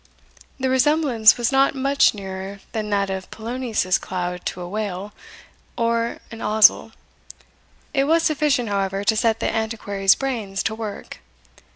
The resemblance was not much nearer than that of Polonius's cloud to a whale, or an owzel; it was sufficient, however, to set the Antiquary's brains to work.